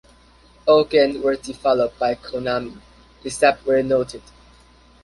All games were developed by Konami, except where noted.